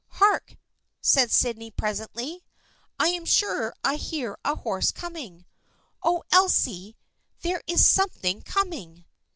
" Hark !" said Sydney presently. " I am sure I hear a horse coming. Oh, Elsie, there is something coming